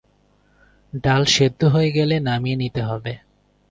ডাল সেদ্ধ হয়ে গেলে নামিয়ে নিতে হবে।